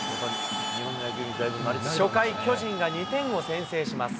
初回、巨人が２点を先制します。